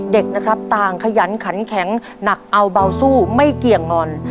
เด็กนะครับต่างขยันขันแข็งหนักเอาเบาสู้ไม่เกี่ยงงอน